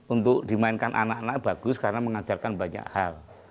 untuk dimainkan anak anak bagus karena mengajarkan banyak hal